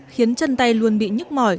khiến chân tay luôn bị nhức mỏi